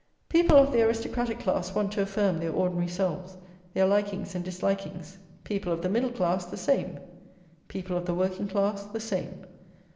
People of the aristocratic class want to affirm their ordinary selves, their likings and dislikings; people of the middle class the same, people of the working class the same.